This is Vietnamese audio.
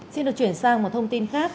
xin được chuyển sang một thông tin khác